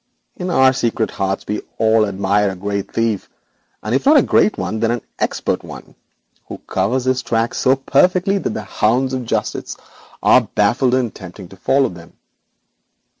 In our secret hearts we all admire a great thief, and if not a great one, then an expert one, who covers his tracks so perfectly that the hounds of justice are baffled in attempting to follow them.